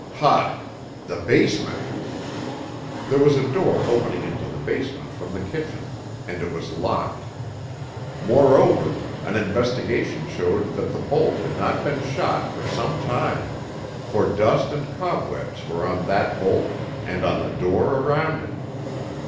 Ha! The basement!" There was a door opening into the basement from the kitchen, and it was locked. Moreover, an investigation showed that the bolt had not been shot for some time, for dust and cobwebs were on that bolt and on the door around it.